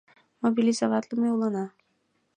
— Мобилизоватлыме улына.